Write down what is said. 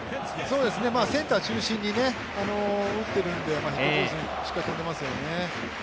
センター中心に打ってるんでヒットコースにしっかり飛んでいますよね。